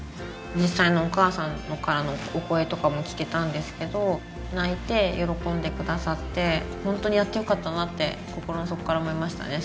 実際のお母さんからのお声とかも聞けたんですけど泣いて喜んでくださってホントにやってよかったなって心の底から思いましたね